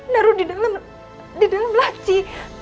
ditaruh di dalam laci